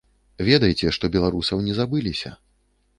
Ведайце, што беларусаў не забыліся.